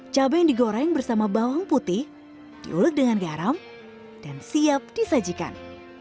cabai yang digoreng bersama bawang putih diulek dengan garam dan siap disajikan